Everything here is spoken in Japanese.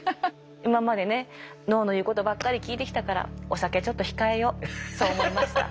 今までね脳の言うことばっかり聞いてきたからお酒ちょっと控えようそう思いました。